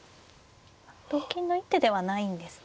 同金の一手ではないんですね。